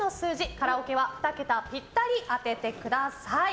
カラオケは２桁ぴったり当ててください。